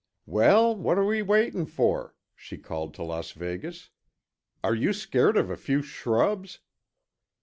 "Well, what're we waiting for?" she called to Las Vegas. "Are you scared of a few shrubs?"